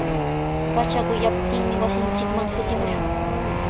Pacha quyaptinmi wasinchikman kutimushun.